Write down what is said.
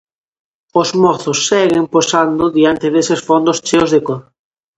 Os mozos seguen posando diante deses fondos cheos de cor.